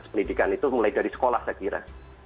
pendidikan itu mulai dari sekolah saya kira